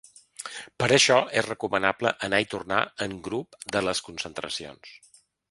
Per això és recomanable anar i tornar en grup de les concentracions.